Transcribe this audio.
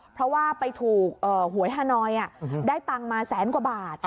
เพราะว่าไปถูกหวยฮานอยได้ตังค์มาแสนกว่าบาท